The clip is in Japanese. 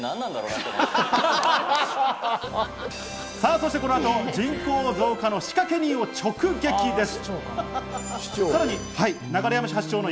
そしてこの後、人口増加の仕掛け人を直撃です。